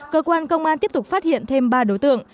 cơ quan công an tiếp tục phát hiện thêm ba đối tượng